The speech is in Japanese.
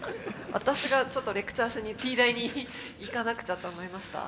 私がちょっとレクチャーしにＴ大に行かなくちゃと思いました。